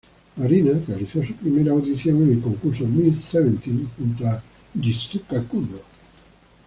Marina realizó su primera audición en el concurso Miss Seventeen, junto a Shizuka Kudo.